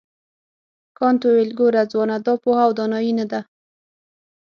کانت وویل ګوره ځوانه دا پوهه او دانایي نه ده.